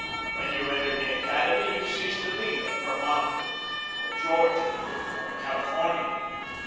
When you enter AT ANNAPOLIS 17 the academy you cease to be a Vermonter or a Geor gian or a Californian.